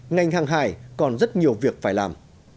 ngành hàng hải còn rất nhiều việc phải làm